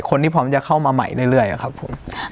พร้อมจะเข้ามาใหม่เรื่อยครับผม